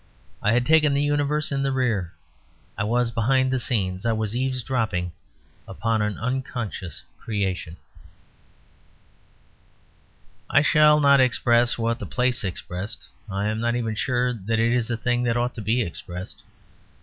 I had taken the universe in the rear. I was behind the scenes. I was eavesdropping upon an unconscious creation. I shall not express what the place expressed. I am not even sure that it is a thing that ought to be expressed.